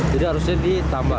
jadi harusnya ditambah